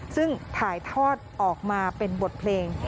ซึ่งถ่ายทอดออกมาเป็นบทเพลง